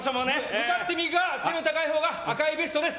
向かって右、背の高いほうが赤いベストです！